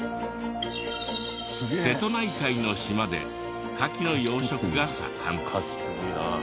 瀬戸内海の島で牡蠣の養殖が盛ん。